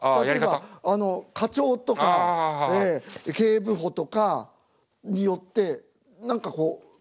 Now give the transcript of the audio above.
例えば課長とか警部補とかによって何かこう。